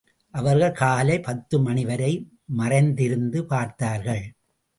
அவர்கள் காலை பத்து மணிவரை மறைந்திருந்து பார்த்தார்கள்.